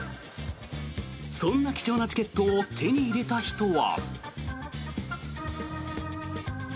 そんな貴重なチケットを手に入れた人は。